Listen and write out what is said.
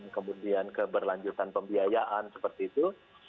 kemudian keberlanjutan pembiayaan seperti itu